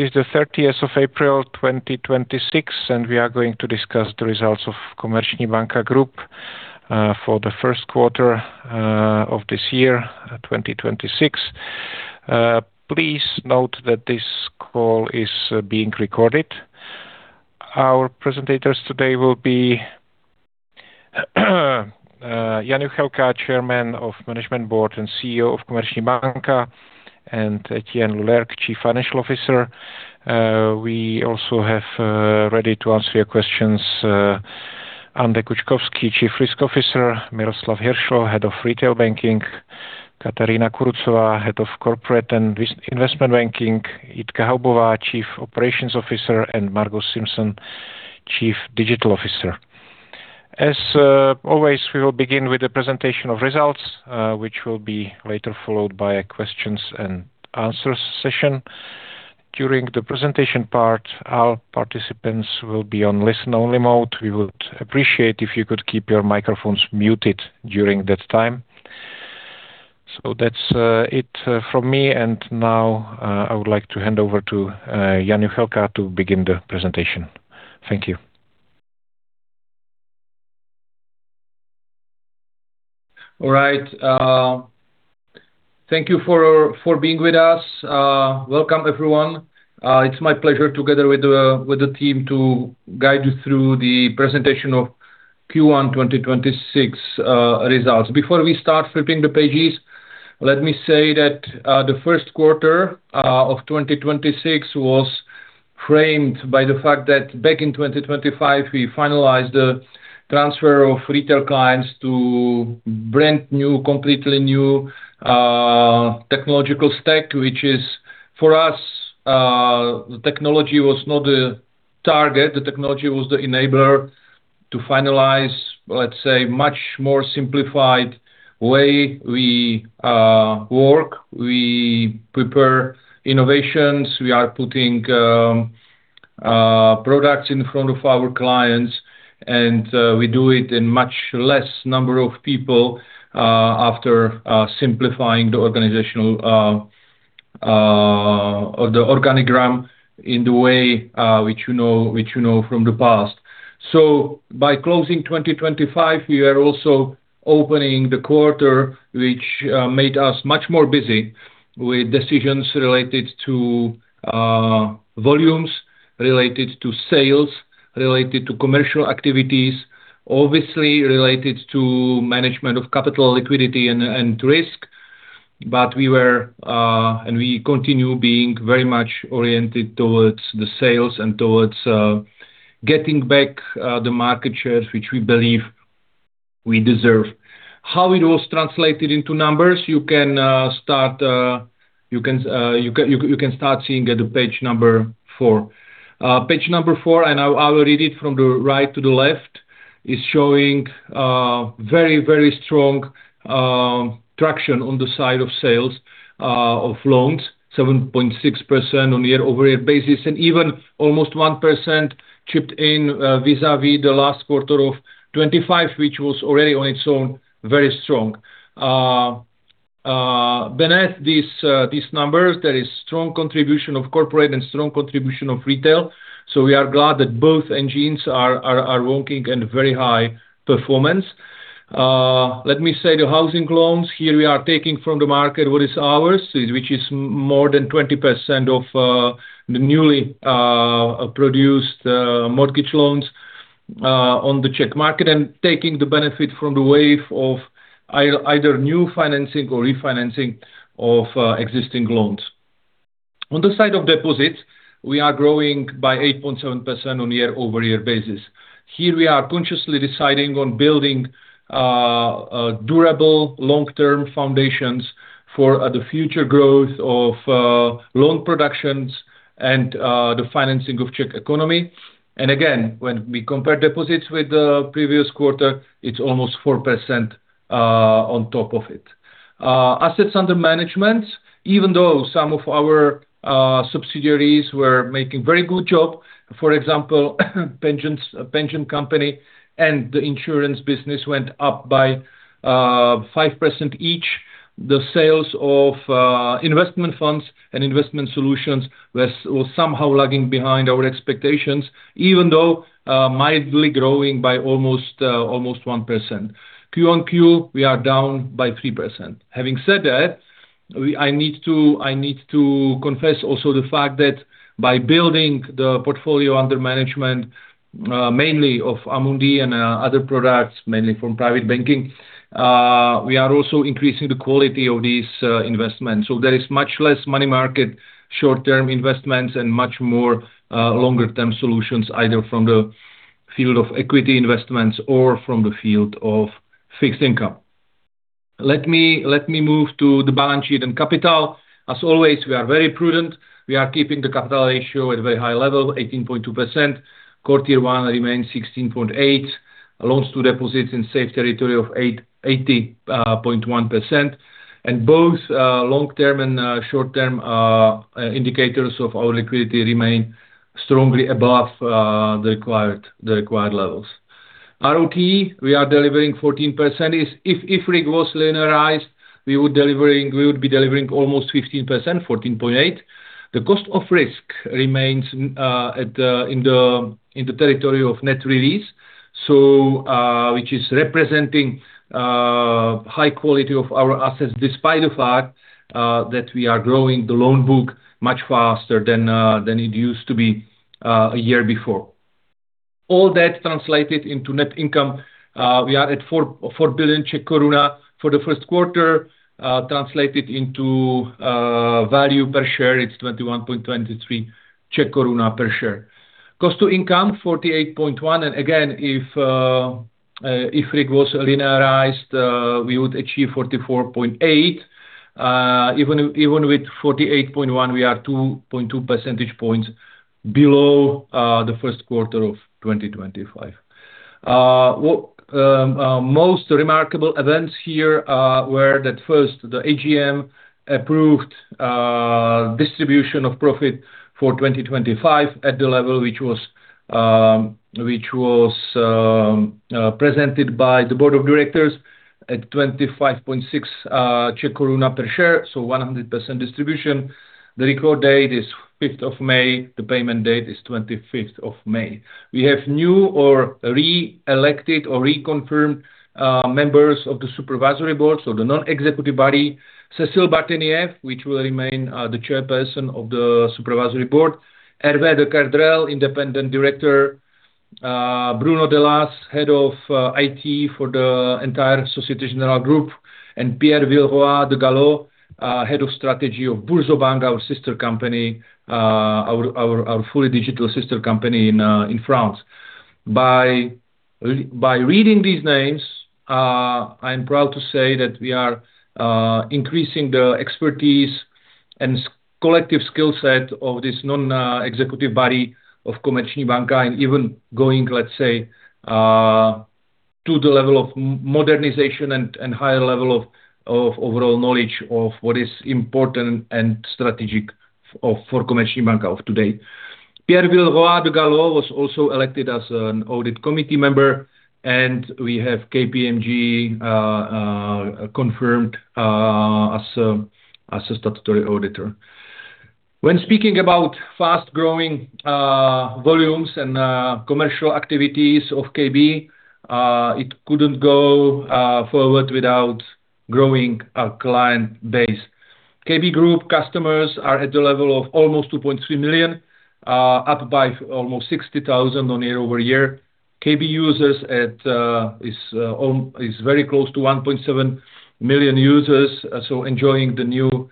It is the 30th of 2026. We are going to discuss the results of Komerční banka Group for the first quarter of this year, 2026. Please note that this call is being recorded. Our presenters today will be Jan Juchelka, Chairman of Management Board and CEO of Komerční banka, and Etienne Loulergue, Chief Financial Officer. We also have ready to answer your questions, Anne de Kouchkovsky, Chief Risk Officer, Miroslav Hiršl, Head of Retail Banking, Katarína Kurucová, Head of Corporate and Investment Banking, Jitka Haubová, Chief Operations Officer, and Margus Simson, Chief Digital Officer. As always, we will begin with the presentation of results, which will be later followed by a questions and answers session. During the presentation part, our participants will be on listen-only mode. We would appreciate if you could keep your microphones muted during that time. That's it from me. Now, I would like to hand over to Jan Juchelka to begin the presentation. Thank you. All right. Thank you for being with us. Welcome everyone. It's my pleasure together with the team to guide you through the presentation of Q1 2026 results. Before we start flipping the pages, let me say that the first quarter of 2026 was framed by the fact that back in 2025, we finalized the transfer of retail clients to brand new, completely new, technological stack, which is for us, the technology was not a target. The technology was the enabler to finalize, let's say, much more simplified way we work. We prepare innovations. We are putting products in front of our clients, and we do it in much less number of people after simplifying the organizational of the organigram in the way which you know, which you know from the past. By closing 2025, we are also opening the quarter, which made us much more busy with decisions related to volumes, related to sales, related to commercial activities, obviously related to management of capital liquidity and risk. We were and we continue being very much oriented towards the sales and towards getting back the market shares, which we believe we deserve. How it was translated into numbers, you can start seeing at the page number four. Page number four, and I will read it from the right to the left, is showing very, very strong traction on the side of sales of loans, 7.6% on year-over-year basis, and even almost 1% chipped in vis-à-vis the last quarter of 2025, which was already on its own very strong. Beneath these numbers, there is strong contribution of corporate and strong contribution of retail. We are glad that both engines are working and very high performance. Let me say the housing loans. Here we are taking from the market what is ours, which is more than 20% of the newly produced mortgage loans on the Czech market and taking the benefit from the wave of either new financing or refinancing of existing loans. On the side of deposits, we are growing by 8.7% on year-over-year basis. Here we are consciously deciding on building a durable long-term foundations for the future growth of loan productions and the financing of Czech economy. Again, when we compare deposits with the previous quarter, it's almost 4% on top of it. Assets under management, even though some of our subsidiaries were making very good job, for example, pension company and the insurance business went up by 5% each. The sales of investment funds and investment solutions was somehow lagging behind our expectations, even though mildly growing by almost 1%. Q on Q, we are down by 3%. Having said that, I need to confess also the fact that by building the portfolio under management, mainly of Amundi and other products, mainly from private banking, we are also increasing the quality of these investments. There is much less money market, short-term investments and much more longer term solutions, either from the field of equity investments or from the field of fixed income. Let me move to the balance sheet and capital. As always, we are very prudent. We are keeping the capital ratio at a very high level, 18.2%. Core Tier 1 remains 16.8%. Loans to deposits in safe territory of 80.1%. And both long-term and short-term indicators of our liquidity remain strongly above the required levels. ROTE, we are delivering 14%. If RIG was linearized, we would be delivering almost 15%, 14.8%. The cost of risk remains in the territory of net release, which is representing high quality of our assets, despite the fact that we are growing the loan book much faster than it used to be a year before. All that translated into net income. We are at 4.4 billion Czech koruna for the first quarter, translated into value per share, it's 21.23 Czech koruna per share. Cost to income, 48.1%. If RIG was linearized, we would achieve 44.8%. Even with 48.1%, we are 2.2 percentage points below the first quarter of 2025. What most remarkable events here were that first, the AGM approved distribution of profit for 2025 at the level which was presented by the board of directors at 25.6 Czech koruna per share, so 100% distribution. The record date is 5th of May. The payment date is 25th of May. We have new or re-elected or reconfirmed members of the supervisory board, so the non-executive body. Cécile Bartenieff, which will remain the Chairperson of the Supervisory Board. Hervé de Kerdrel, Independent Director. Bruno Delas, Head of IT for the entire Société Générale group. Pierre Villeroy de Galhau, Head of Strategy of BoursoBank, our sister company, our fully digital sister company in France. By reading these names, I'm proud to say that we are increasing the expertise and collective skill set of this non-executive body of Komerční banka and even going, let's say, to the level of modernization and higher level of overall knowledge of what is important and strategic for Komerční banka of today. Pierre Villeroy de Galhau was also elected as an audit committee member. We have KPMG confirmed as a statutory auditor. When speaking about fast-growing volumes and commercial activities of KB, it couldn't go forward without growing our client base. KB Group customers are at the level of almost 2.3 million, up by almost 60,000 on year-over-year. KB users is very close to 1.7 million users. Enjoying the new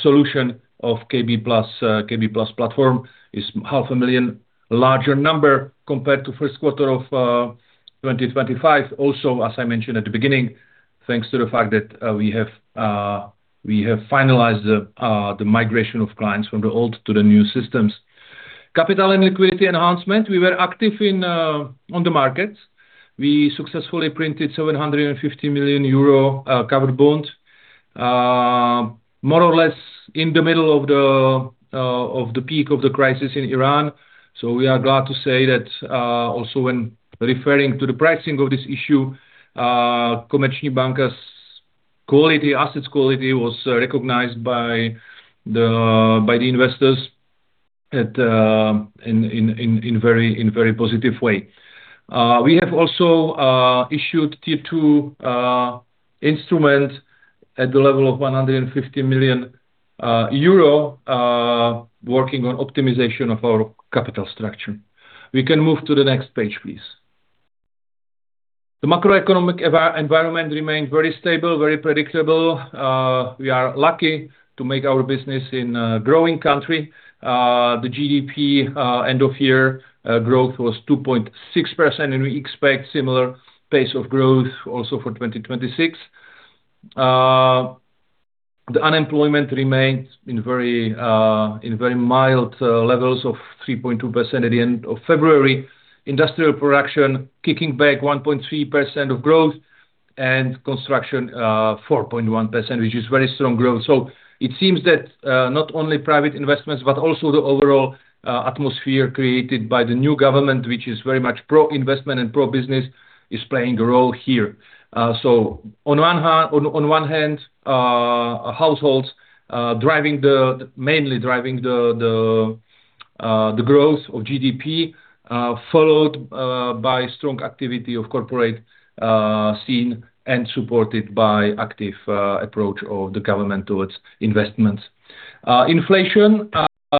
solution of KB+, KB+ platform is 500,000 larger number compared to first quarter of 2025. Also, as I mentioned at the beginning, thanks to the fact that we have finalized the migration of clients from the old to the new systems. Capital and liquidity enhancement. We were active on the market. We successfully printed 750 million euro covered bond, more or less in the middle of the peak of the crisis in Iran. We are glad to say that, also when referring to the pricing of this issue, Komerční banka's quality, assets quality was recognized by the investors in very positive way. We have also issued Tier 2 instrument at the level of 150 million euro, working on optimization of our capital structure. We can move to the next page, please. The macroeconomic environment remained very stable, very predictable. We are lucky to make our business in a growing country. The GDP end of year growth was 2.6%, and we expect similar pace of growth also for 2026. The unemployment remains in very mild levels of 3.2% at the end of February. Industrial production kicking back 1.3% of growth and construction, 4.1%, which is very strong growth. It seems that not only private investments, but also the overall atmosphere created by the new government, which is very much pro-investment and pro-business, is playing a role here. On one hand, on one hand, households mainly driving the growth of GDP, followed by strong activity of corporate, seen and supported by active approach of the government towards investments. Inflation,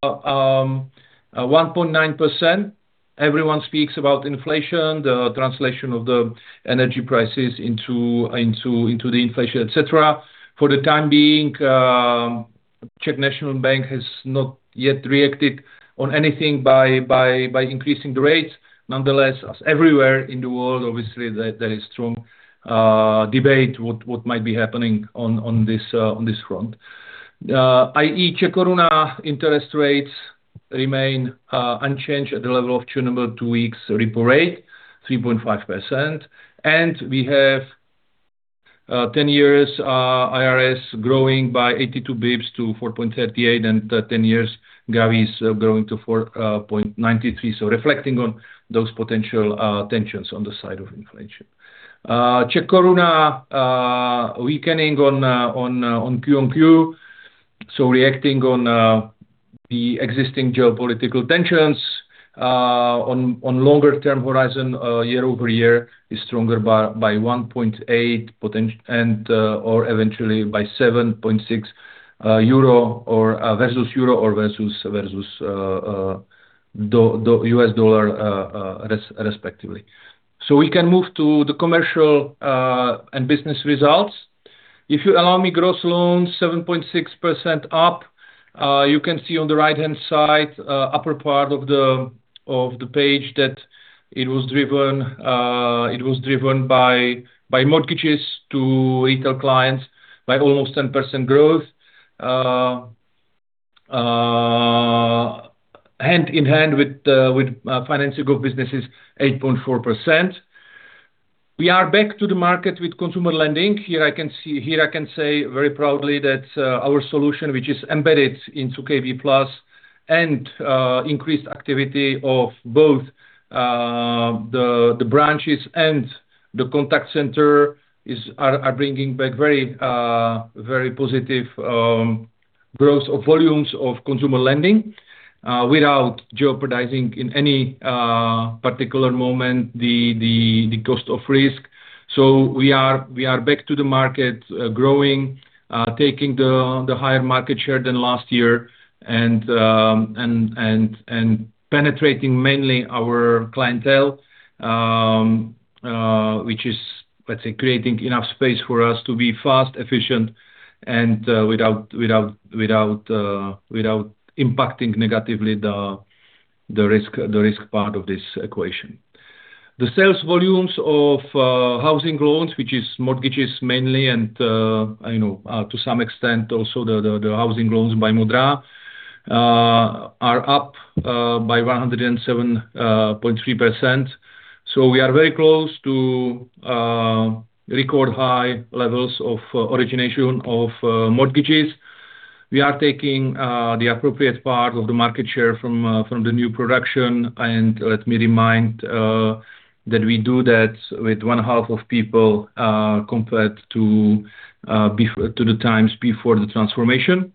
1.9%. Everyone speaks about inflation, the translation of the energy prices into the inflation, etc. For the time being, Czech National Bank has not yet reacted on anything by increasing the rates. Nonetheless, as everywhere in the world, obviously, there is strong debate what might be happening on this, on this front. i.e. Czech koruna interest rates remain unchanged at the level of two-week repo rate, 3.5%. We have ten years IRS growing by 82 basis points to 4.38% and 10 years [CZGB] is growing to 4.93%. Reflecting on those potential tensions on the side of inflation. Czech koruna weakening on Q on Q. Reacting on the existing geopolitical tensions on longer term horizon, year-over-year is stronger by 1.8 and or eventually by 7.6 euro or versus euro or versus the US dollar, respectively. We can move to the commercial and business results. If you allow me gross loans, 7.6% up. You can see on the right-hand side, upper part of the page that it was driven by mortgages to retail clients by almost 10% growth. Hand in hand with financial group businesses, 8.4%. We are back to the market with consumer lending. Here I can say very proudly that our solution, which is embedded into KB+, and increased activity of both the branches and the contact center are bringing back very positive growth of volumes of consumer lending, without jeopardizing in any particular moment the cost of risk. We are back to the market, growing, taking the higher market share than last year and penetrating mainly our clientele, which is, let's say, creating enough space for us to be fast, efficient, and without impacting negatively the risk part of this equation. The sales volumes of housing loans, which is mortgages mainly and, you know, to some extent also the housing loans by Modrá pyramida, are up by 107.3%. We are very close to record high levels of origination of mortgages. We are taking the appropriate part of the market share from the new production. Let me remind that we do that with one half of people compared to the times before the transformation.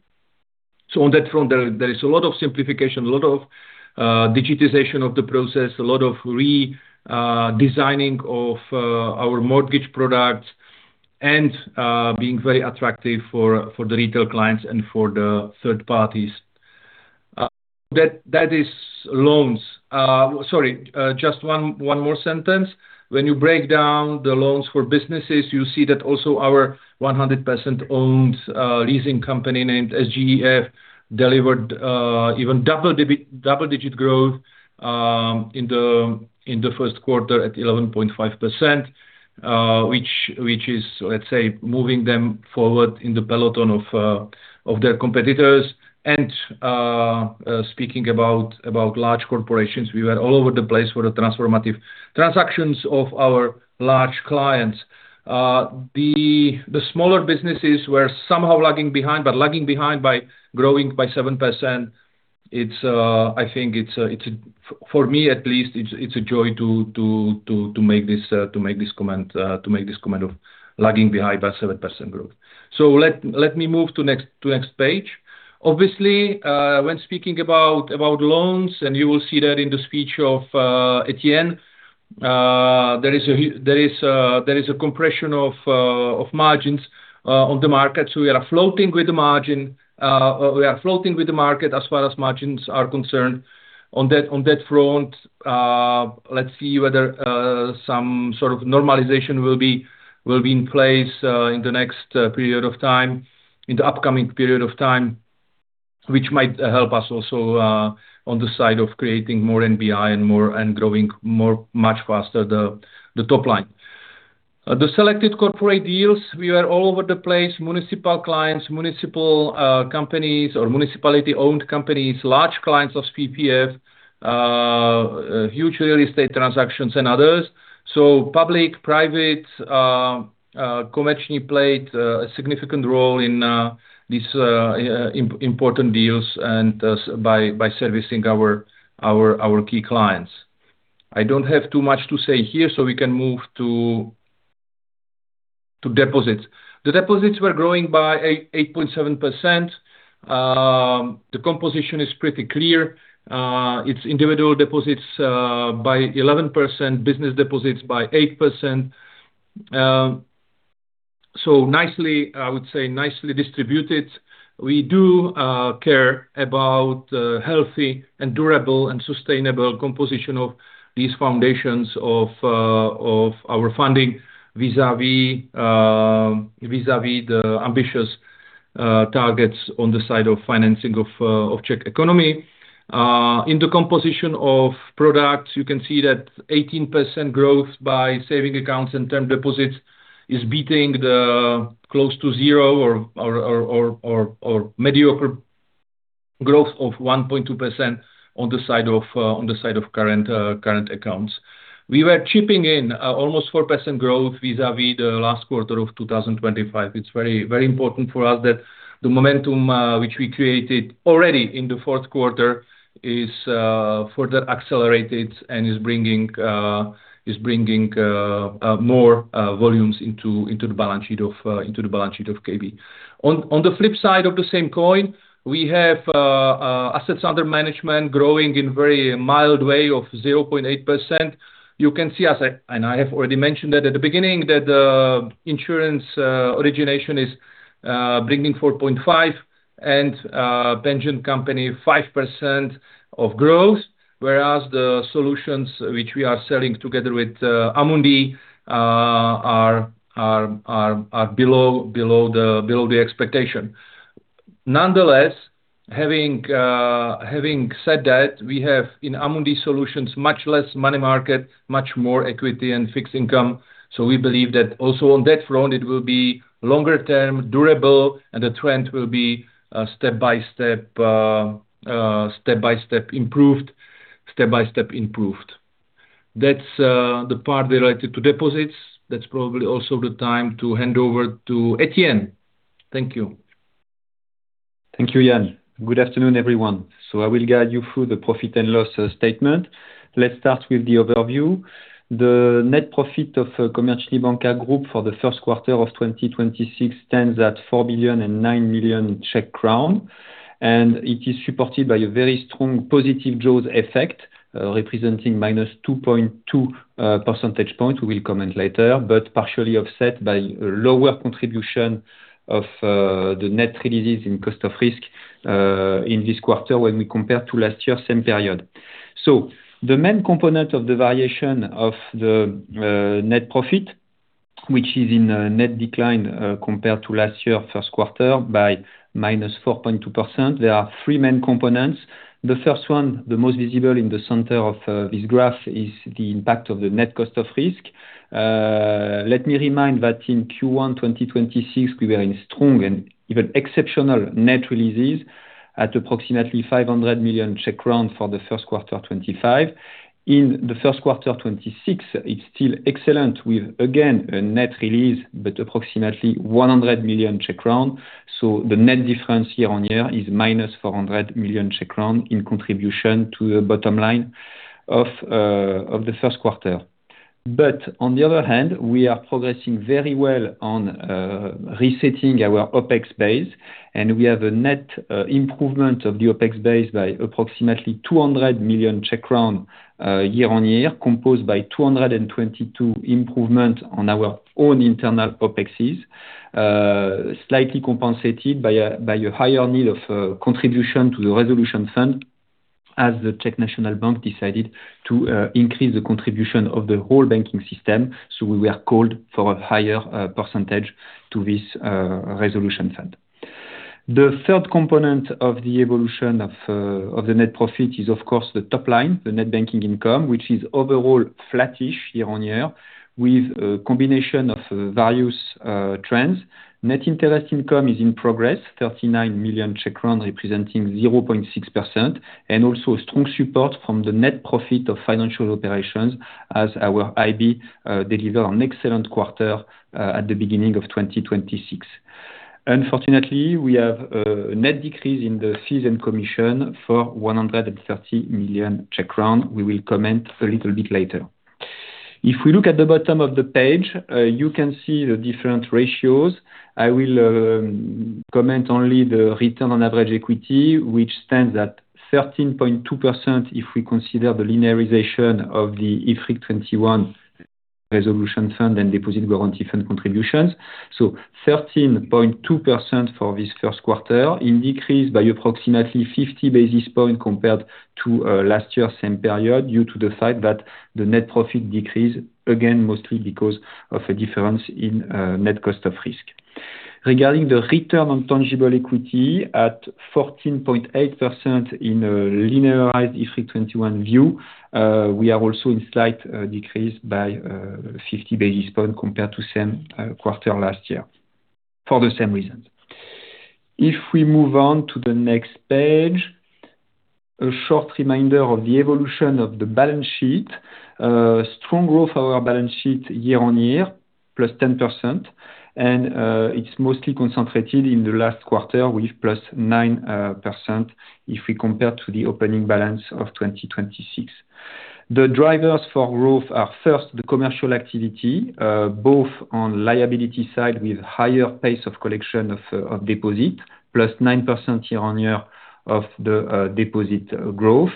On that front, there is a lot of simplification, a lot of digitization of the process, a lot of redesigning of our mortgage products and being very attractive for the retail clients and for the third parties. That is loans. Sorry, just one more sentence. When you break down the loans for businesses, you see that also our 100% owned leasing company named SGEF delivered even double-digit growth in the first quarter at 11.5%, which is, let's say, moving them forward in the peloton of their competitors. Speaking about large corporations, we were all over the place for the transformative transactions of our large clients. The smaller businesses were somehow lagging behind, but lagging behind by growing by 7%. It's, I think it's, for me at least, it's a joy to make this comment of lagging behind by 7% growth. Let me move to next page. Obviously, when speaking about loans, you will see that in the speech of Etienne, there is a compression of margins on the market. We are floating with the margin. We are floating with the market as far as margins are concerned. On that front, let's see whether some sort of normalization will be in place in the next period of time, in the upcoming period of time, which might help us also on the side of creating more NBI and growing more, much faster the top line. The selected corporate deals, we were all over the place. Municipal clients, municipal companies or municipality-owned companies, large clients of PPF, huge real estate transactions and others. Public, private, Komerční played a significant role in these important deals and by servicing our key clients. I don't have too much to say here, so we can move to deposits. The deposits were growing by 8.7%. The composition is pretty clear. It's individual deposits by 11%, business deposits by 8%. Nicely, I would say nicely distributed. We do care about healthy and durable and sustainable composition of these foundations of our funding vis-à-vis the ambitious targets on the side of financing of Czech economy. In the composition of products, you can see that 18% growth by saving accounts and term deposits is beating the close to zero or mediocre growth of 1.2% on the side of current accounts. We were chipping in almost 4% growth vis-à-vis the last quarter of 2025. It's very, very important for us that the momentum which we created already in the fourth quarter is further accelerated and is bringing more volumes into the balance sheet of KB. On the flip side of the same coin, we have assets under management growing in very mild way of 0.8%. I have already mentioned that at the beginning, that the insurance origination is bringing 4.5% and pension company 5% of growth, whereas the solutions which we are selling together with Amundi are below the expectation. Having said that, we have in Amundi solutions much less money market, much more equity and fixed income. We believe that also on that front, it will be longer term durable, and the trend will be step by step improved. That's the part related to deposits. That's probably also the time to hand over to Etienne. Thank you. Thank you, Jan. Good afternoon, everyone. I will guide you through the profit and loss statement. Let's start with the overview. The net profit of Komerční banka Group for the first quarter of 2026 stands at 4 billion and 9 million Czech crown, and it is supported by a very strong positive jaws effect, representing -2.2 percentage point. We will comment later, partially offset by lower contribution of the net releases in cost of risk in this quarter when we compare to last year same period. The main component of the variation of the net profit, which is in a net decline, compared to last year first quarter by -4.2%. There are three main components. The first one, the most visible in the center of this graph, is the impact of the net cost of risk. Let me remind that in Q1 2026, we were in strong and even exceptional net releases at approximately 500 million for the first quarter 2025. In the first quarter 2026, it's still excellent with again a net release, but approximately 100 million. The net difference year-over-year is -400 million in contribution to the bottom line of the first quarter. On the other hand, we are progressing very well on resetting our OpEx base, and we have a net improvement of the OpEx base by approximately 200 million year-on-year, composed by 222 improvement on our own internal OpExes, slightly compensated by a higher need of contribution to the resolution fund as the Czech National Bank decided to increase the contribution of the whole banking system. We were called for a higher percentage to this resolution fund. The third component of the evolution of the net profit is of course the top line, the net banking income, which is overall flattish year-on-year with a combination of various trends. Net interest income is in progress, 39 million representing 0.6%, and also a strong support from the net profit of financial operations as our IB deliver an excellent quarter at the beginning of 2026. Unfortunately, we have a net decrease in the fees and commission for 130 million Czech crown. We will comment a little bit later. If we look at the bottom of the page, you can see the different ratios. I will comment only the return on average equity, which stands at 13.2% if we consider the linearization of the E321 resolution fund and deposit guarantee fund contributions. 13.2% for this first quarter in decrease by approximately 50 basis points compared to last year same period, due to the fact that the net profit decreased again mostly because of a difference in net cost of risk. Regarding the return on tangible equity at 14.8% in a linearized E321 view, we are also in slight decrease by 50 basis points compared to same quarter last year for the same reasons. If we move on to the next page, a short reminder of the evolution of the balance sheet. Strong growth of our balance sheet year-on-year, +10%, and it's mostly concentrated in the last quarter with +9% if we compare to the opening balance of 2026. The drivers for growth are first the commercial activity, both on liability side with higher pace of collection of deposit, +9% year-on-year of the deposit growth.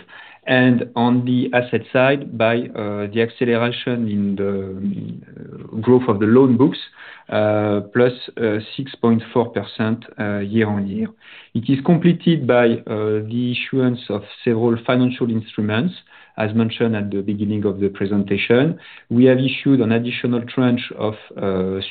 On the asset side by the acceleration in the growth of the loan books, +6.4% year-on-year. It is completed by the issuance of several financial instruments. As mentioned at the beginning of the presentation, we have issued an additional tranche of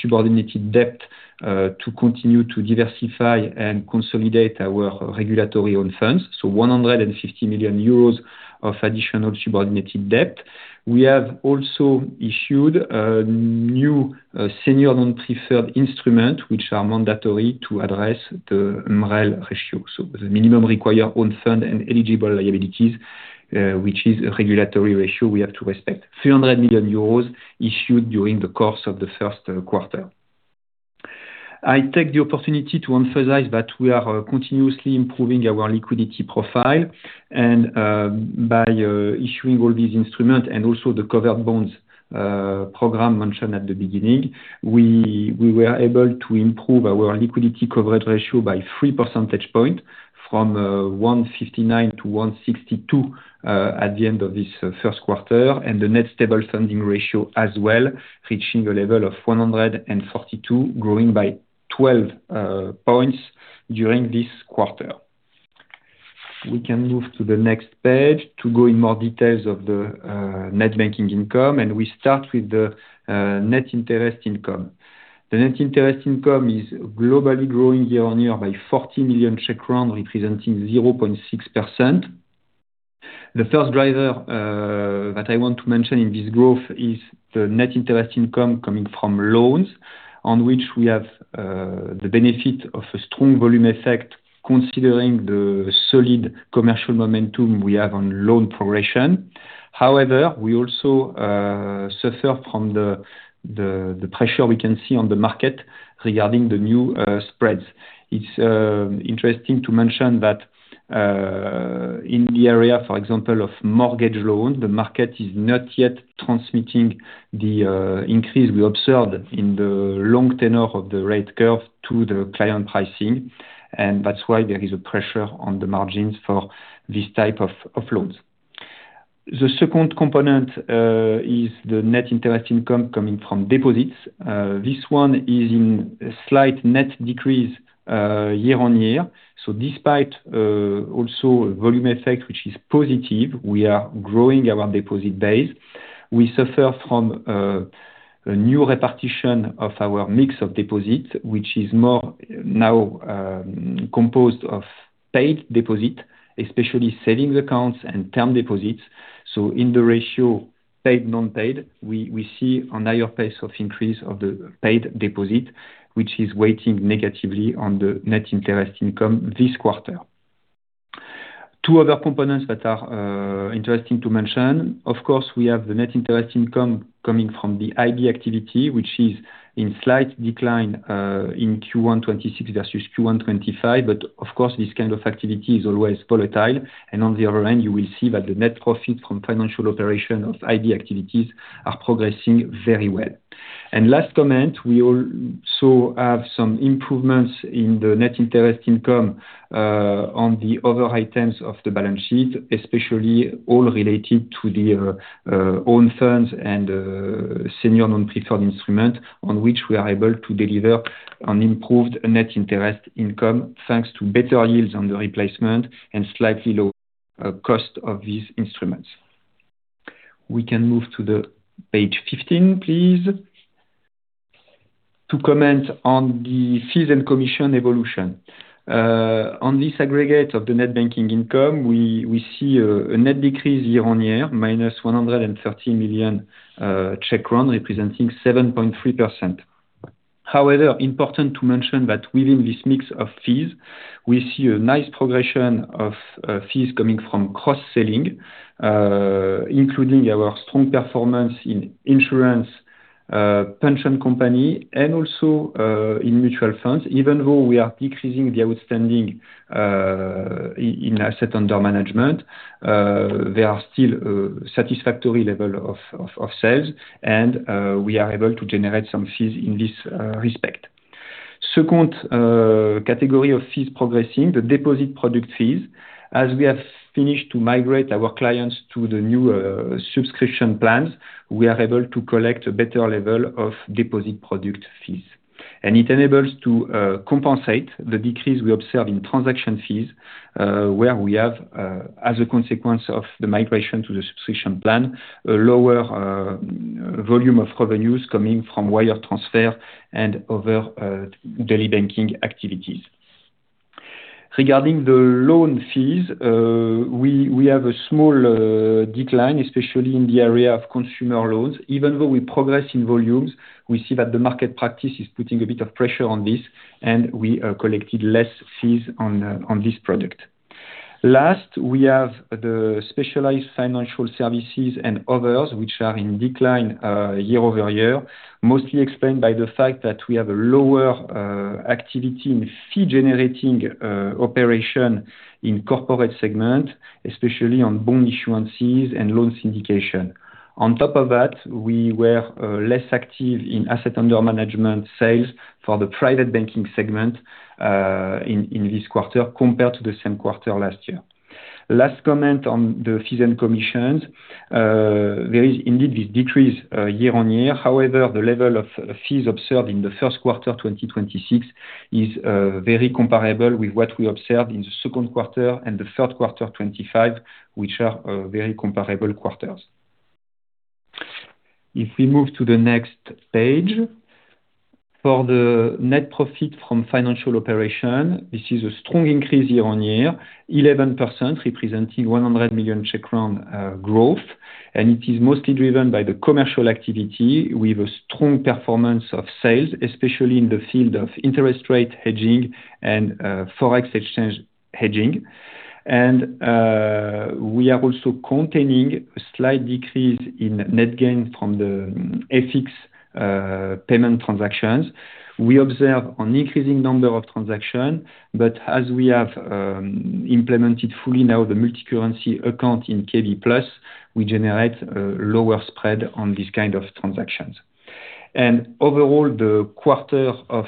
subordinated debt to continue to diversify and consolidate our regulatory own funds. 150 million euros of additional subordinated debt. We have also issued a new senior non-preferred instrument, which are mandatory to address the MREL ratio. The minimum required own fund and eligible liabilities, which is a regulatory ratio we have to respect. 300 million euros issued during the course of the first quarter. I take the opportunity to emphasize that we are continuously improving our liquidity profile and, by issuing all these instruments and also the covered bonds program mentioned at the beginning, we were able to improve our liquidity coverage ratio by 3 percentage points from 159%-162% at the end of this first quarter, and the Net Stable Funding Ratio as well, reaching a level of 142, growing by 12 points during this quarter. We can move to the next page to go in more details of the Net Banking Income, and we start with the Net Interest Income. The Net Interest Income is globally growing year-on-year by 40 million, representing 0.6%. The first driver that I want to mention in this growth is the net interest income coming from loans, on which we have the benefit of a strong volume effect considering the solid commercial momentum we have on loan progression. However, we also suffer from the pressure we can see on the market regarding the new spreads. It's interesting to mention that in the area, for example, of mortgage loans, the market is not yet transmitting the increase we observed in the long tenure of the rate curve to the client pricing, and that's why there is a pressure on the margins for this type of loans. The second component is the net interest income coming from deposits. This one is in slight net decrease year-on-year. Despite also volume effect, which is positive, we are growing our deposit base. We suffer from a new repartition of our mix of deposits, which is more now composed of paid deposit, especially savings accounts and term deposits. In the ratio paid, non-paid, we see a higher pace of increase of the paid deposit, which is weighting negatively on the net interest income this quarter. Two other components that are interesting to mention. Of course, we have the net interest income coming from the IB activity, which is in slight decline in Q1 2026 versus Q1 2025. Of course, this kind of activity is always volatile. On the other hand, you will see that the net profit from financial operation of IB activities are progressing very well. Last comment, we also have some improvements in the net interest income on the other items of the balance sheet, especially all related to the own funds and senior non-preferred instrument, on which we are able to deliver an improved net interest income, thanks to better yields on the replacement and slightly lower cost of these instruments. We can move to page 15, please, to comment on the fees and commission evolution. On this aggregate of the net banking income, we see a net decrease year-on-year, -130 million, representing 7.3%. Important to mention that within this mix of fees, we see a nice progression of fees coming from cross-selling, including our strong performance in insurance, pension company, and also in mutual funds. Even though we are decreasing the outstanding in asset under management, there are still a satisfactory level of sales, and we are able to generate some fees in this respect. Second, category of fees progressing, the deposit product fees. As we have finished to migrate our clients to the new subscription plans, we are able to collect a better level of deposit product fees. It enables to compensate the decrease we observe in transaction fees, where we have, as a consequence of the migration to the subscription plan, a lower volume of revenues coming from wire transfer and other daily banking activities. Regarding the loan fees, we have a small decline, especially in the area of consumer loans. Even though we progress in volumes, we see that the market practice is putting a bit of pressure on this, and we collected less fees on on this product. Last, we have the specialized financial services and others, which are in decline year-over-year, mostly explained by the fact that we have a lower activity in fee-generating operation in corporate segment, especially on bond issuances and loan syndication. On top of that, we were less active in asset under management sales for the private banking segment in in this quarter compared to the same quarter last year. Last comment on the fees and commissions. There is indeed this decrease year-on-year. However, the level of fees observed in the first quarter 2026 is very comparable with what we observed in the second quarter and the third quarter 2025, which are very comparable quarters. For the net profit from financial operation, this is a strong increase year-on-year, 11%, representing 100 million growth. It is mostly driven by the commercial activity with a strong performance of sales, especially in the field of interest rate hedging and Forex exchange hedging. We are also containing a slight decrease in net gain from the FX payment transactions. We observe an increasing number of transactions, but as we have implemented fully now the multicurrency account in KB+, we generate a lower spread on these kind of transactions. Overall, the quarter of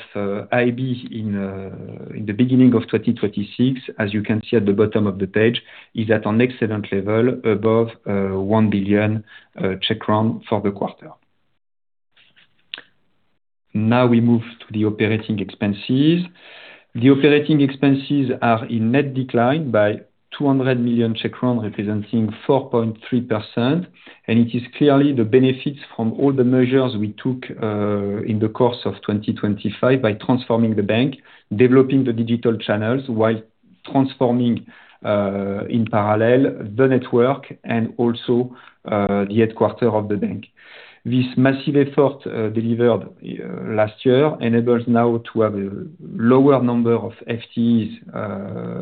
IB in the beginning of 2026, as you can see at the bottom of the page, is at an excellent level above 1 billion for the quarter. Now we move to the operating expenses. The operating expenses are in net decline by CZK 200 million, representing 4.3%. It is clearly the benefits from all the measures we took in the course of 2025 by transforming the bank, developing the digital channels while transforming in parallel the network and also the headquarter of the bank. This massive effort, delivered last year enables now to have a lower number of FTEs,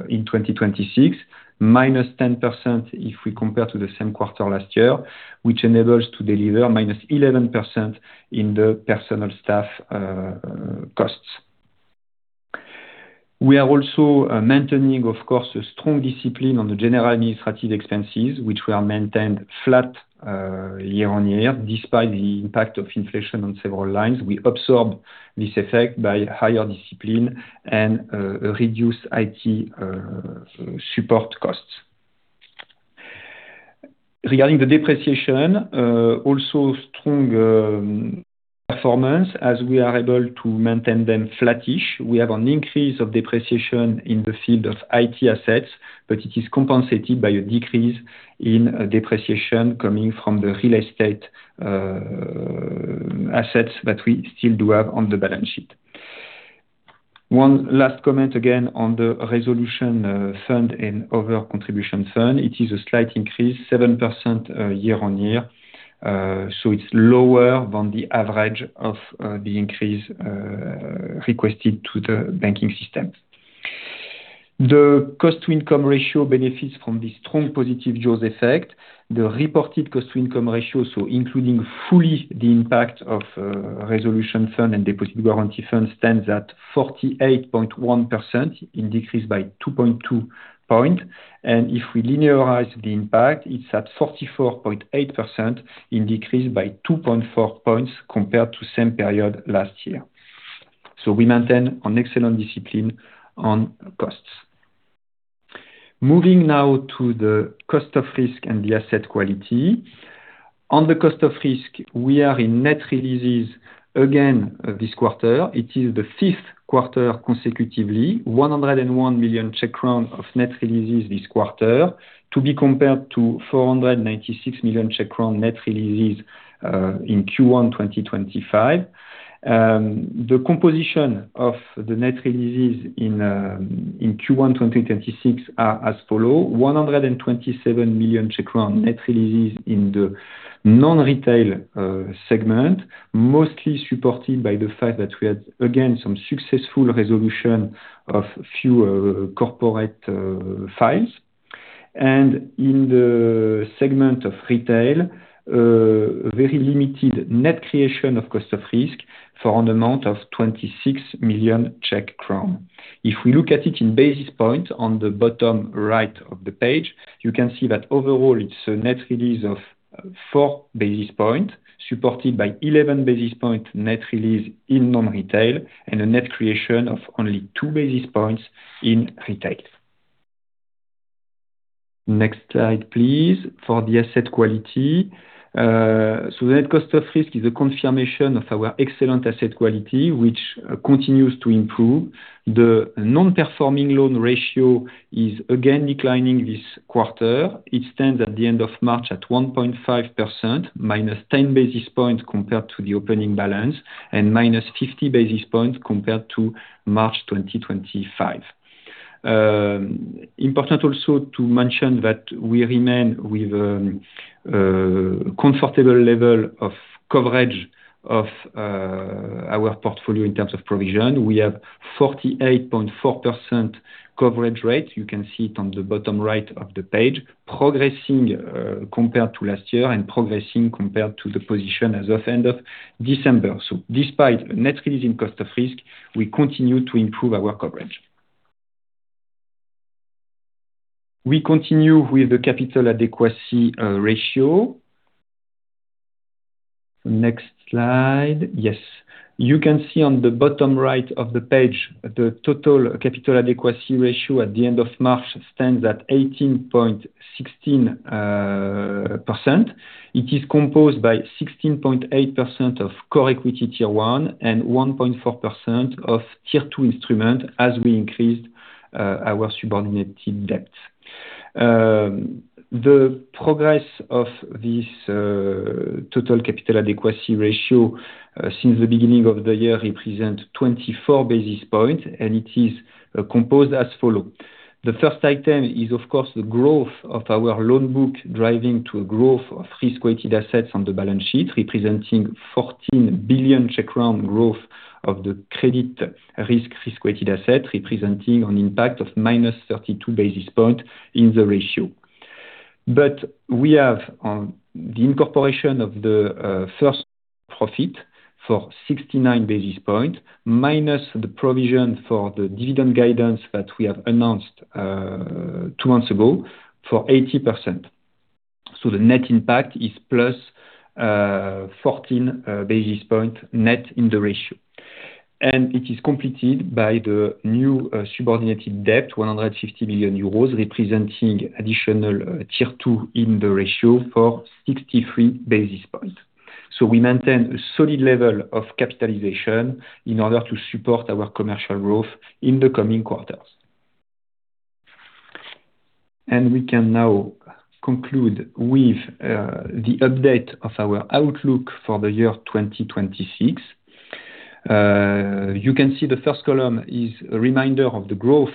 in 2026, -10% if we compare to the same quarter last year, which enables to deliver -11% in the personal staff costs. We are also maintaining, of course, a strong discipline on the general administrative expenses, which were maintained flat year-over-year. Despite the impact of inflation on several lines, we absorb this effect by higher discipline and reduced IT support costs. Regarding the depreciation, also strong performance as we are able to maintain them flattish. We have an increase of depreciation in the field of IT assets, but it is compensated by a decrease in depreciation coming from the real estate assets that we still do have on the balance sheet. One last comment again on the resolution fund and other contribution fund. It is a slight increase, 7% year-on-year. It is lower than the average of the increase requested to the banking systems. The cost-to-income ratio benefits from the strong positive jaws effect. The reported cost-to-income ratio, including fully the impact of resolution fund and deposit guarantee fund, stands at 48.1% in decrease by 2.2 points. If we linearize the impact, it's at 44.8% in decrease by 2.4 points compared to same period last year. We maintain an excellent discipline on costs. Moving now to the cost of risk and the asset quality. On the cost of risk, we are in net releases again this quarter. It is the fifth quarter consecutively, 101 million of net releases this quarter, to be compared to 496 million net releases in Q1 2025. The composition of the net releases in Q1 2026 are as follow. 127 million Czech crown net releases in the non-retail segment, mostly supported by the fact that we had, again, some successful resolution of few corporate files. In the segment of retail, a very limited net creation of cost of risk for an amount of 26 million Czech crown. If we look at it in basis points on the bottom right of the page, you can see that overall it's a net release of 4 basis points, supported by 11 basis point net release in non-retail, and a net creation of only 2 basis points in retail. Next slide, please. For the asset quality. The net cost of risk is a confirmation of our excellent asset quality, which continues to improve. The non-performing loan ratio is again declining this quarter. It stands at the end of March at 1.5%, -10 basis points compared to the opening balance and -50 basis points compared to March 2025. Important also to mention that we remain with comfortable level of coverage of our portfolio in terms of provision. We have 48.4% coverage rate, you can see it on the bottom right of the page, progressing compared to last year and progressing compared to the position as of end of December. Despite net release in cost of risk, we continue to improve our coverage. We continue with the capital adequacy ratio. Next slide. Yes. You can see on the bottom right of the page, the total capital adequacy ratio at the end of March stands at 18.16%. It is composed by 16.8% of Core Tier 1 and 1.4% of Tier 2 instrument as we increased our subordinated debt. The progress of this total capital adequacy ratio since the beginning of the year represent 24 basis points, and it is composed as follow. The first item is, of course, the growth of our loan book, driving to a growth of risk-weighted assets on the balance sheet, representing 14 billion growth of the credit risk risk-weighted asset, representing an impact of -32 basis point in the ratio. We have the incorporation of the first profit for 69 basis point, minus the provision for the dividend guidance that we have announced two months ago for 80%. The net impact is +14 basis point net in the ratio. It is completed by the new subordinated debt, 150 billion euros, representing additional Tier 2 in the ratio for 63 basis point. We maintain a solid level of capitalization in order to support our commercial growth in the coming quarters. We can now conclude with the update of our outlook for the year 2026. You can see the first column is a reminder of the growth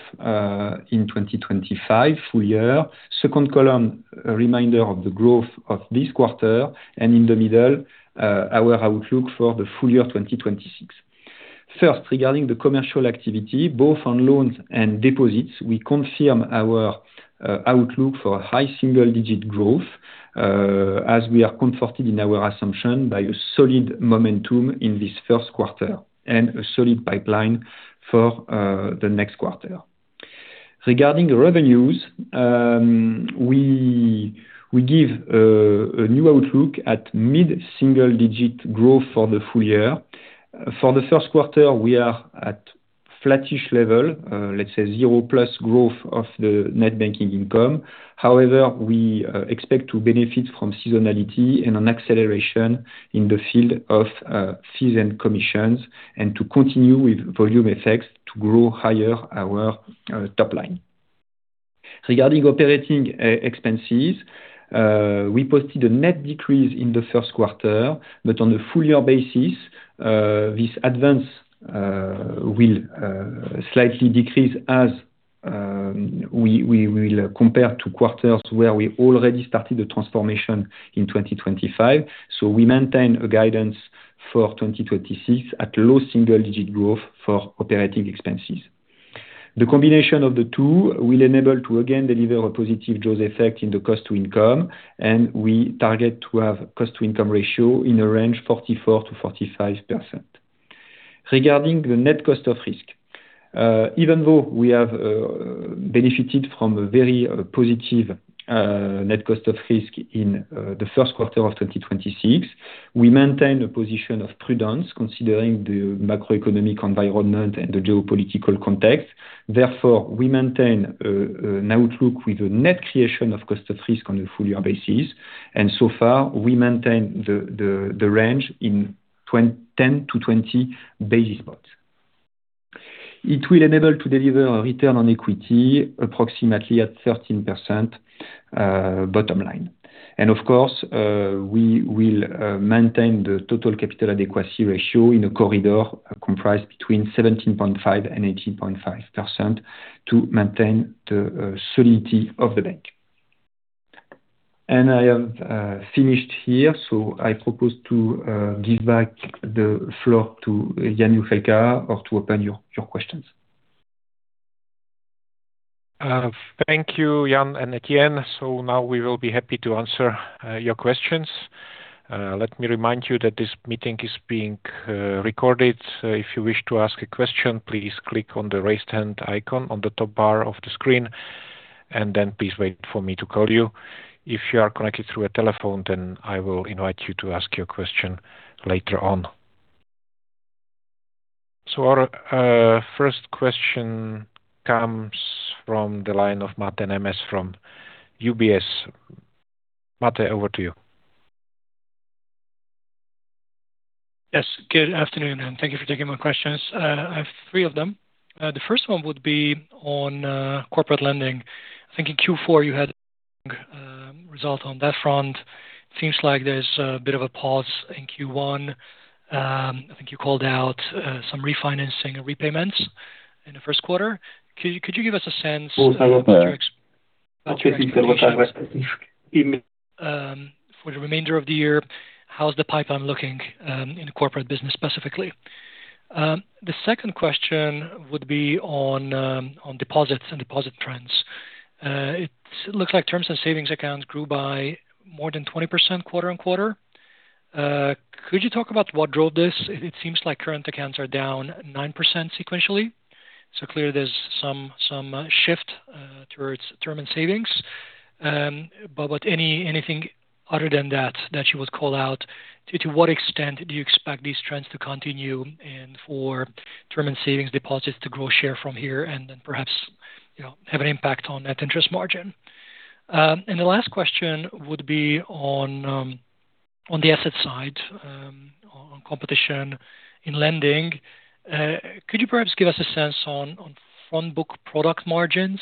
in 2025 full year. Second column, a reminder of the growth of this quarter, and in the middle, our outlook for the full year 2026. First, regarding the commercial activity, both on loans and deposits, we confirm our outlook for high single-digit growth as we are comforted in our assumption by a solid momentum in this first quarter and a solid pipeline for the next quarter. Regarding revenues, we give a new outlook at mid-single digit growth for the full year. For the first quarter, we are at flattish level, let's say 0+ growth of the net banking income. We expect to benefit from seasonality and an acceleration in the field of fees and commissions, and to continue with volume effects to grow higher our top line. Regarding operating expenses, we posted a net decrease in the first quarter, on a full-year basis, this advance will slightly decrease as we will compare to quarters where we already started the transformation in 2025. We maintain a guidance for 2026 at low single-digit growth for operating expenses. The combination of the two will enable to again deliver a positive jaws effect in the cost to income, and we target to have cost to income ratio in a range 44%-45%. Regarding the net cost of risk, even though we have benefited from a very positive net cost of risk in the first quarter of 2026, we maintain a position of prudence considering the macroeconomic environment and the geopolitical context. Therefore, we maintain an outlook with a net creation of cost of risk on a full-year basis, and so far, we maintain the range in 10-20 basis points. It will enable to deliver a return on equity approximately at 13% bottom line. Of course, we will maintain the total capital adequacy ratio in a corridor comprised between 17.5 and 18.5% to maintain the solidity of the bank. I have finished here. I propose to give back the floor to Jan Juchelka or to open your questions. Thank you, Jan and Etienne. Now we will be happy to answer your questions. Let me remind you that this meeting is being recorded. If you wish to ask a question, please click on the Raise Hand icon on the top bar of the screen, and then please wait for me to call you. If you are connected through a telephone, then I will invite you to ask your question later on. Our first question comes from the line of Mate Nemes from UBS. Mate, over to you. Yes. Good afternoon, and thank you for taking my questions. I have three of them. The first one would be on corporate lending. I think in Q4 you had result on that front. Seems like there's a bit of a pause in Q1. I think you called out some refinancing and repayments in the first quarter. Could you give us a sense- For the remainder of the year, how's the pipeline looking in the corporate business specifically? The second question would be on deposits and deposit trends. It looks like terms and savings accounts grew by more than 20% quarter-on-quarter. Could you talk about what drove this? It seems like current accounts are down 9% sequentially, so clearly there's some shift towards term and savings. What anything other than that you would call out, to what extent do you expect these trends to continue and for term and savings deposits to grow share from here and then perhaps, you know, have an impact on net interest margin? The last question would be on the asset side, on competition in lending. Could you perhaps give us a sense on front-book product margins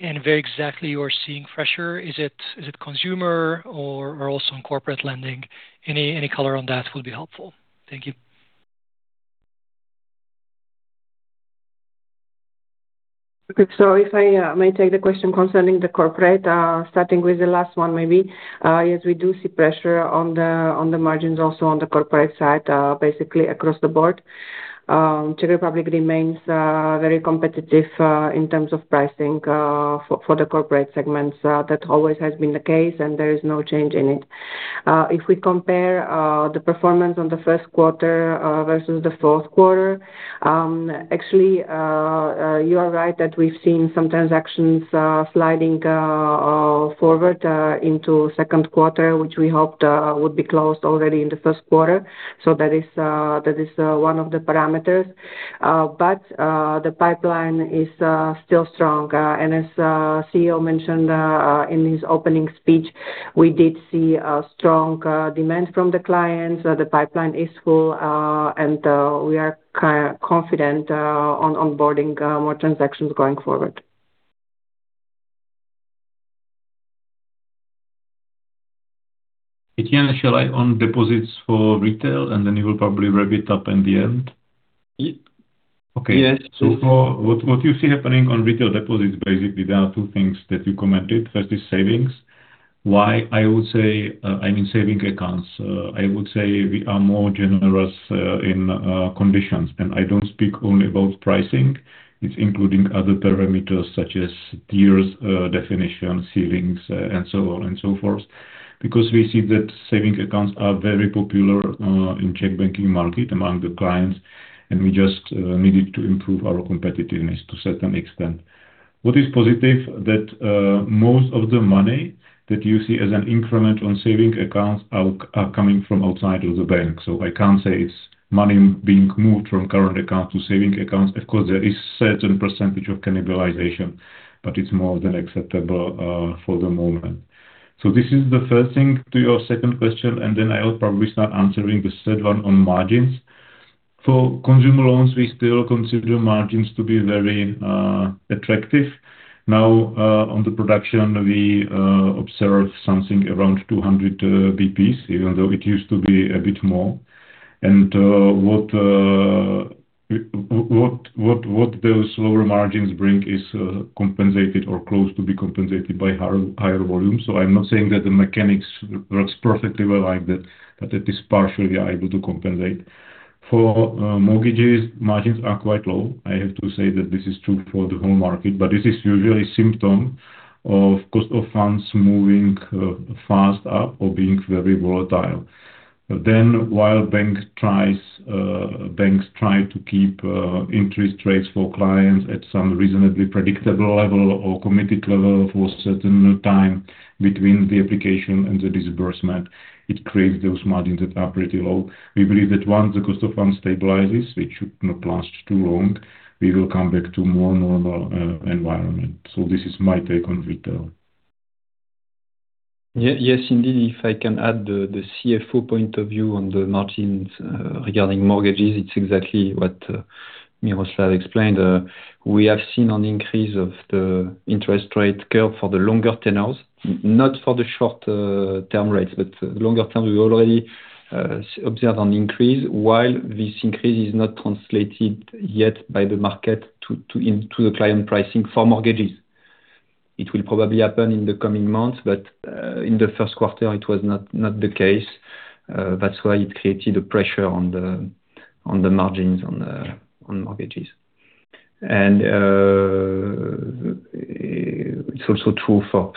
and where exactly you are seeing pressure? Is it consumer or also in corporate lending? Any color on that will be helpful. Thank you. Okay. If I may take the question concerning the corporate, starting with the last one, maybe. Yes, we do see pressure on the margins also on the corporate side, basically across the board. Czech Republic remains very competitive in terms of pricing for the corporate segments. That always has been the case, and there is no change in it. If we compare the performance on the first quarter versus the fourth quarter. Actually, you are right that we've seen some transactions sliding forward into second quarter, which we hoped would be closed already in the first quarter. That is one of the parameters. The pipeline is still strong. As CEO mentioned, in his opening speech, we did see a strong demand from the clients. The pipeline is full, and we are confident on onboarding more transactions going forward. Etienne, shall I on deposits for retail, and then you will probably wrap it up in the end? Ye- Okay. Yes. For what you see happening on retail deposits, basically, there are two things that you commented. First is savings. Why, I would say, I mean, saving accounts. I would say we are more generous in conditions. I don't speak only about pricing. It's including other parameters such as tiers, definition, ceilings, and so on and so forth. We see that saving accounts are very popular in Czech banking market among the clients, and we just needed to improve our competitiveness to certain extent. What is positive that most of the money that you see as an increment on saving accounts are coming from outside of the bank. I can't say it's money being moved from current account to saving accounts. Of course, there is certain percentage of cannibalization, but it's more than acceptable for the moment. This is the first thing to your second question. I'll probably start answering the third one on margins. For consumer loans, we still consider margins to be very attractive. Now, on the production, we observe something around 200 basis points, even though it used to be a bit more. What those lower margins bring is compensated or close to be compensated by higher volume. I'm not saying that the mechanics works perfectly well like that, but it is partially able to compensate. For mortgages, margins are quite low. I have to say that this is true for the whole market, but this is usually symptom of cost of funds moving fast up or being very volatile. While banks try to keep interest rates for clients at some reasonably predictable level or committed level for certain time between the application and the disbursement, it creates those margins that are pretty low. We believe that once the cost of funds stabilizes, which should not last too long, we will come back to more normal environment. This is my take on retail. Yes, indeed. If I can add the CFO point of view on the margins, regarding mortgages, it's exactly what Miroslav explained. We have seen an increase of the interest rate curve for the longer tenures, not for the short term rates, but longer term. We already observed an increase, while this increase is not translated yet by the market into the client pricing for mortgages. It will probably happen in the coming months, but in the first quarter, it was not the case. That's why it created a pressure on the margins on mortgages. It's also true for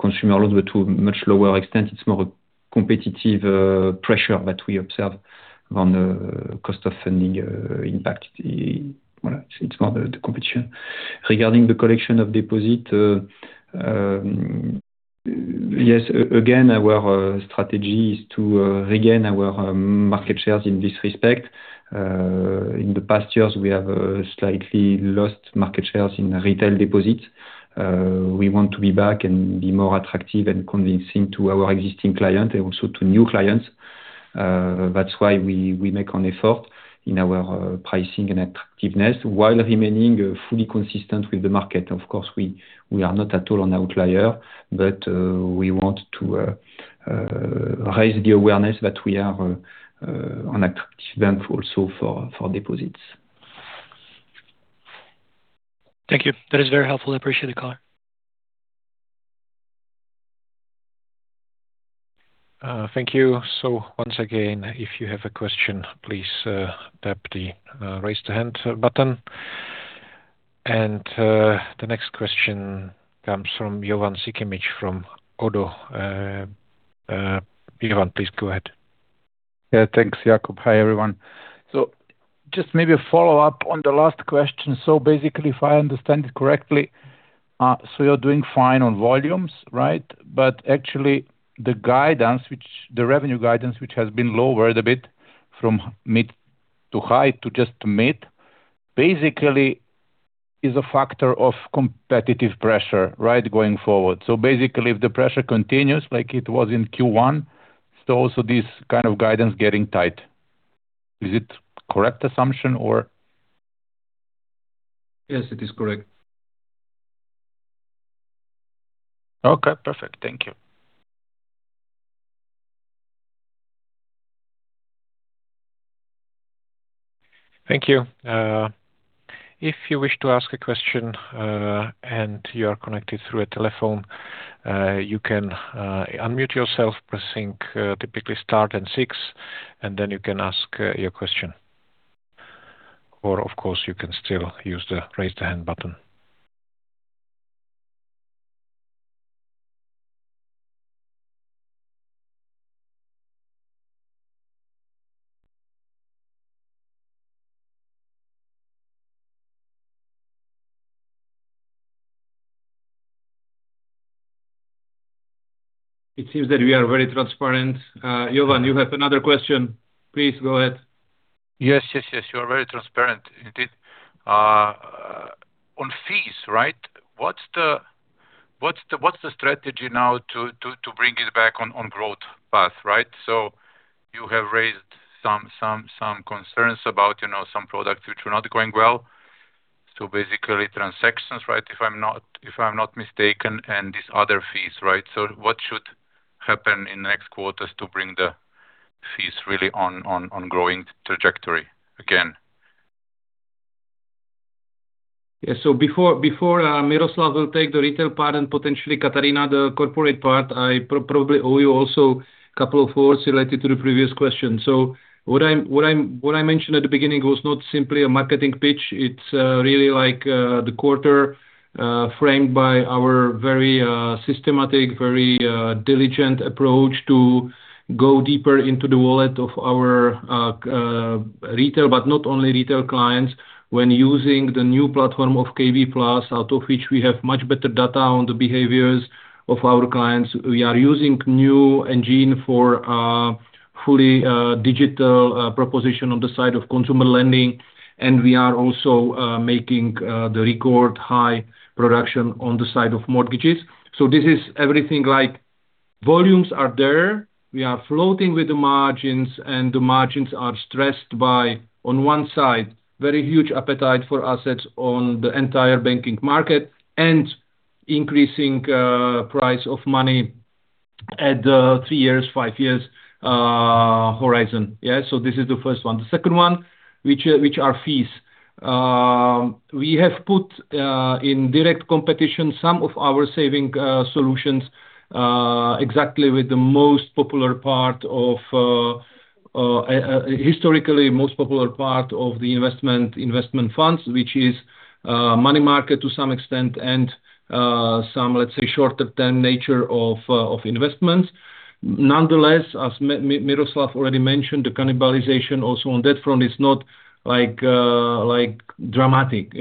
consumer loans, but to much lower extent. It's more a competitive pressure that we observe than a cost of funding impact. It's more the competition. Regarding the collection of deposit, yes. Again, our strategy is to regain our market shares in this respect. In the past years, we have slightly lost market shares in retail deposits. We want to be back and be more attractive and convincing to our existing client and also to new clients. That's why we make an effort in our pricing and attractiveness while remaining fully consistent with the market. Of course, we are not at all an outlier, but we want to raise the awareness that we are an attractive bank also for deposits. Thank you. That is very helpful. I appreciate the call. Thank you. Once again, if you have a question, please tap the Raise the Hand button. The next question comes from Jovan Sikimic from ODDO. Jovan, please go ahead. Yeah. Thanks, Jakub. Hi, everyone. Just maybe a follow-up on the last question. Basically, if I understand it correctly, you're doing fine on volumes, right? Actually, the revenue guidance, which has been lowered a bit from mid to high to just mid, basically is a factor of competitive pressure, right, going forward. Basically, if the pressure continues like it was in Q1, also this kind of guidance getting tight. Is it correct assumption or? Yes, it is correct. Okay, perfect. Thank you. Thank you. If you wish to ask a question, and you are connected through a telephone, you can unmute yourself pressing, typically star then six, and then you can ask your question. Of course, you can still use the Raise the Hand button. It seems that we are very transparent. Jovan, you have another question. Please go ahead. Yes. Yes. Yes. You are very transparent indeed. On fees, right, what's the strategy now to bring it back on growth path, right? You have raised some concerns about, you know, some products which were not going well. Basically transactions, right? If I'm not mistaken, and these other fees, right? What should happen in next quarters to bring the fees really on growing trajectory again? Yeah. Before Miroslav will take the retail part and potentially Katarína, the corporate part, I probably owe you also couple of thoughts related to the previous question. What I mentioned at the beginning was not simply a marketing pitch. It's really like the quarter framed by our very systematic, very diligent approach to go deeper into the wallet of our retail, but not only retail clients when using the new platform of KB+, out of which we have much better data on the behaviors of our clients. We are using new engine for fully digital proposition on the side of consumer lending, and we are also making the record high production on the side of mortgages. This is everything like volumes are there. We are floating with the margins, and the margins are stressed by, on one side, very huge appetite for assets on the entire banking market and increasing price of money at three years, five years horizon. This is the first one. The second one, which are fees. We have put in direct competition some of our saving solutions exactly with the most popular part of historically most popular part of the investment funds, which is money market to some extent and some shorter term nature of investments. Nonetheless, as Miroslav already mentioned, the cannibalization also on that front is not like dramatic.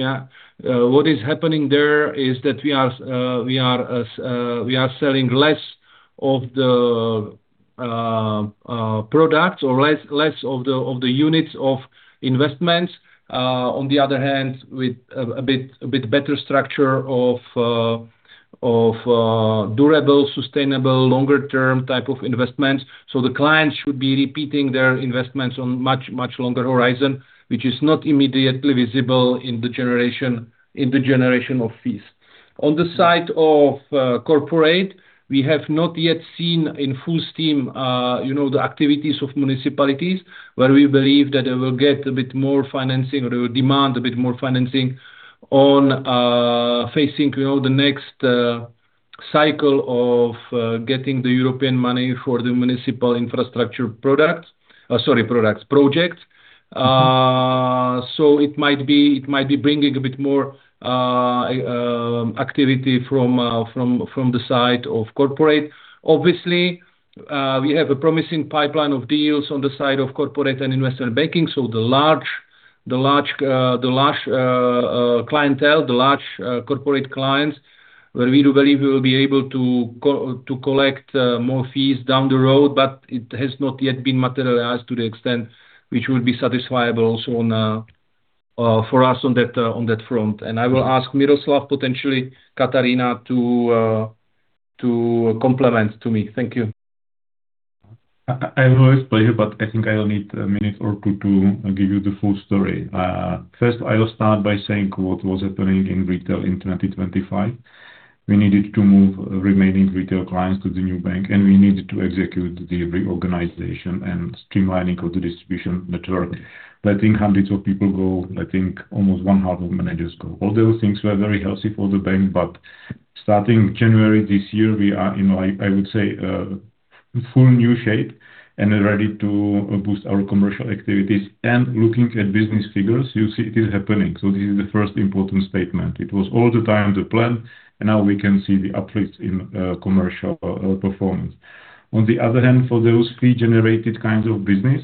What is happening there is that we are selling less of the products or less of the units of investments. On the other hand, with a bit better structure of durable, sustainable, longer term type of investments. The clients should be repeating their investments on much longer horizon, which is not immediately visible in the generation of fees. On the side of corporate, we have not yet seen in full steam, you know, the activities of municipalities where we believe that they will get a bit more financing or they will demand a bit more financing on facing, you know, the next cycle of getting the European money for the municipal infrastructure products. Sorry, products. Projects. So it might be bringing a bit more activity from the side of corporate. Obviously, we have a promising pipeline of deals on the side of corporate and investment banking. So the large clientele, the large corporate clients where we do believe we will be able to collect more fees down the road, but it has not yet been materialized to the extent which would be satisfiable also for us on that front. I will ask Miroslav, potentially Katarína to complement to me. Thank you. I will explain, but I think I will need a minute or two to give you the full story. First, I will start by saying what was happening in retail in 2025. We needed to move remaining retail clients to the new bank, and we needed to execute the reorganization and streamlining of the distribution network. Letting hundreds of people go. Letting almost one half of managers go. All those things were very healthy for the bank. Starting January this year, we are in like, I would say, a full new shape and ready to boost our commercial activities. Looking at business figures, you see it is happening. This is the first important statement. It was all the time the plan, and now we can see the uplifts in commercial performance. For those fee-generated kinds of business,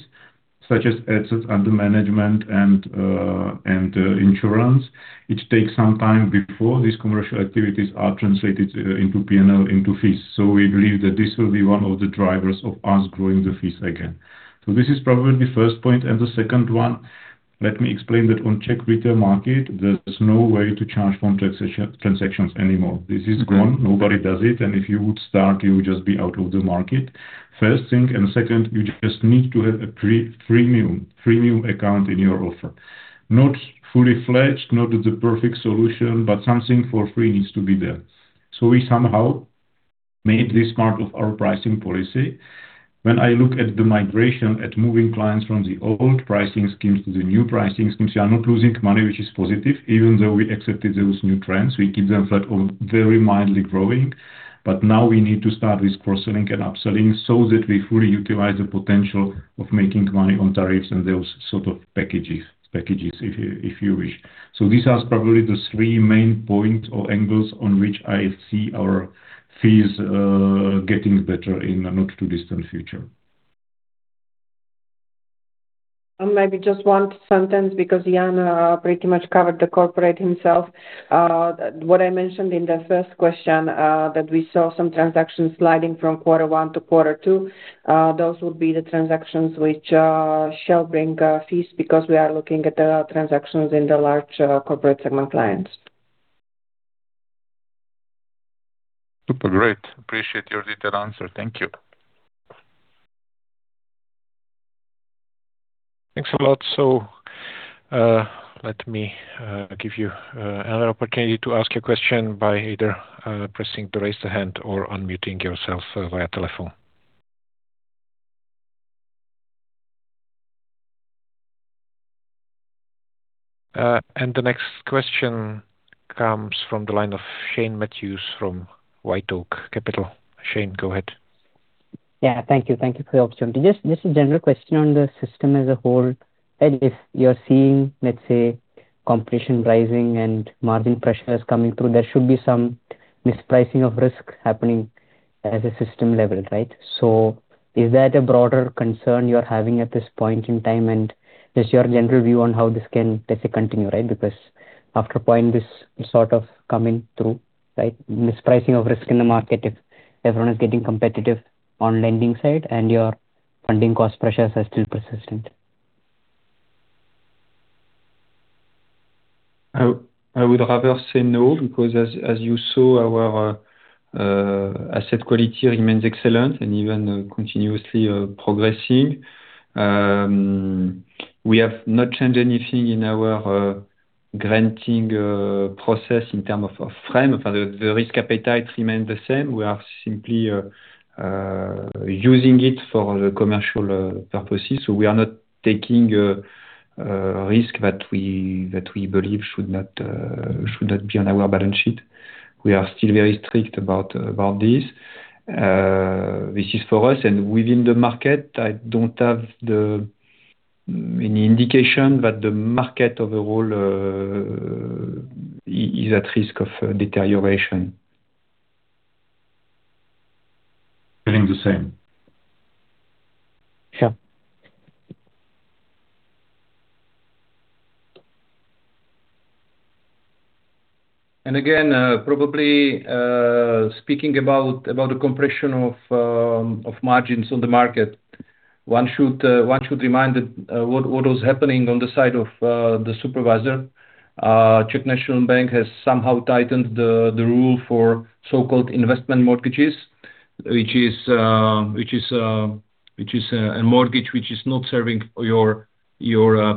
such as assets under management and insurance, it takes some time before these commercial activities are translated into P&L, into fees. We believe that this will be one of the drivers of us growing the fees again. This is probably the first point. The second one, let me explain that on Czech retail market, there's no way to charge phone transactions anymore. This is gone. Nobody does it. If you would start, you would just be out of the market. First thing, and second, you just need to have a premium account in your offer. Not fully fledged, not the perfect solution, something for free needs to be there. Made this part of our pricing policy. When I look at the migration, at moving clients from the old pricing schemes to the new pricing schemes, we are not losing money, which is positive. Even though we accepted those new trends, we keep them flat on very mildly growing. Now we need to start with cross-selling and upselling so that we fully utilize the potential of making money on tariffs and those sort of packages if you wish. These are probably the three main points or angles on which I see our fees getting better in a not too distant future. Maybe just one sentence, because Jan pretty much covered the corporate himself. What I mentioned in the first question, that we saw some transactions sliding from quarter one to quarter two, those would be the transactions which shall bring fees because we are looking at the transactions in the Large Corporate segment clients. Super great. Appreciate your detailed answer. Thank you. Thanks a lot. Let me give you another opportunity to ask a question by either pressing to Raise the Hand or unmuting yourself via telephone. The next question comes from the line of Shane Mathews from WhiteOak Capital. Shane, go ahead. Yeah. Thank you. Thank you for the opportunity. Just a general question on the system as a whole. If you're seeing, let's say, competition rising and margin pressure is coming through, there should be some mispricing of risk happening at a system level, right? Is that a broader concern you're having at this point in time? Just your general view on how this can basically continue, right? After a point, this is sort of coming through, right? Mispricing of risk in the market if everyone is getting competitive on lending side and your funding cost pressures are still persistent. I would rather say no, because as you saw, our asset quality remains excellent and even continuously progressing. We have not changed anything in our granting process in term of a frame. The risk appetite remains the same. We are simply using it for commercial purposes. We are not taking a risk that we believe should not be on our balance sheet. We are still very strict about this. This is for us. Within the market, I don't have the any indication that the market overall is at risk of deterioration. Feeling the same. Sure. Probably speaking about the compression of margins on the market. One should remind that what was happening on the side of the supervisor. Czech National Bank has somehow tightened the rule for so-called investment mortgages, which is a mortgage not serving your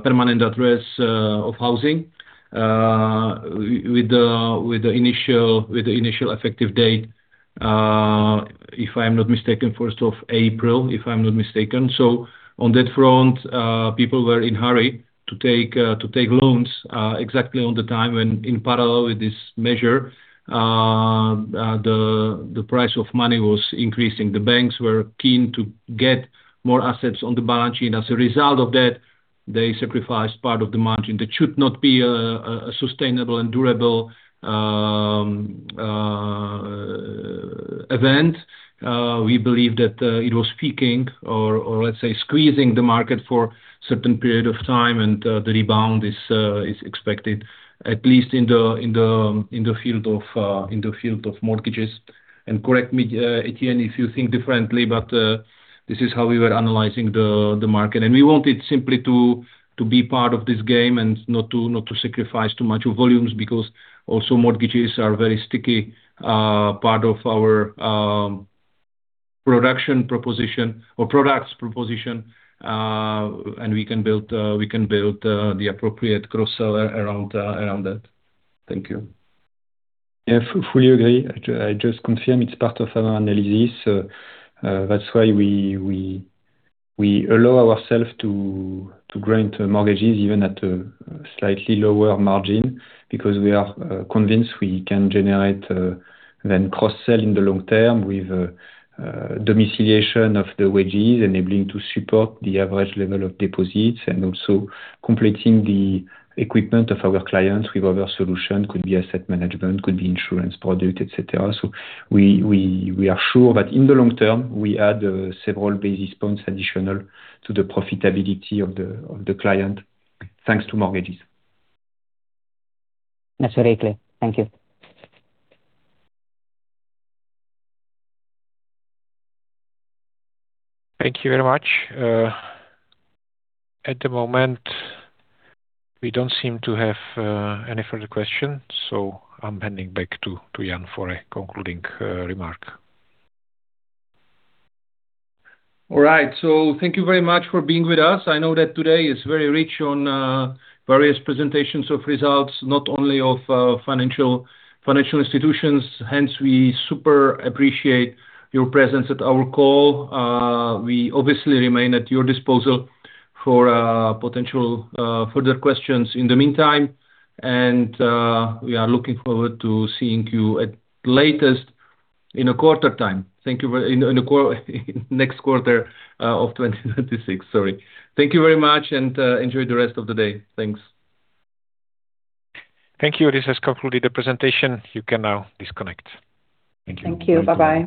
permanent address of housing, with the initial effective date, if I am not mistaken, 1st of April, if I am not mistaken. On that front, people were in hurry to take loans exactly on the time. In parallel with this measure, the price of money was increasing. The banks were keen to get more assets on the balance sheet. As a result of that, they sacrificed part of the margin. That should not be a sustainable and durable event. We believe that it was peaking or let's say, squeezing the market for certain period of time, and the rebound is expected, at least in the field of mortgages. Correct me, Etienne, if you think differently, but this is how we were analyzing the market. We wanted simply to be part of this game and not to sacrifice too much volumes because also mortgages are very sticky part of our production proposition or products proposition. We can build the appropriate cross-sell around that. Thank you. Yeah, fully agree. I just confirm it's part of our analysis. That's why we allow ourself to grant mortgages even at a slightly lower margin because we are convinced we can generate then cross-sell in the long term with domiciliation of the wages, enabling to support the average level of deposits, and also completing the equipment of our clients with other solution. Could be asset management, could be insurance product, et cetera. We are sure that in the long term, we add several basis points additional to the profitability of the client, thanks to mortgages. That's very clear. Thank you. Thank you very much. At the moment, we don't seem to have any further questions, so I'm handing back to Jan for a concluding remark. All right. Thank you very much for being with us. I know that today is very rich on various presentations of results, not only of financial institutions. We super appreciate your presence at our call. We obviously remain at your disposal for potential further questions in the meantime. We are looking forward to seeing you at latest in a quarter time. Next quarter of 2026. Sorry. Thank you very much, and enjoy the rest of the day. Thanks. Thank you. This has concluded the presentation. You can now disconnect. Thank you. Thank you. Bye-bye.